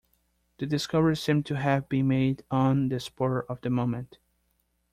The discovery seemed to have been made on the spur of the moment.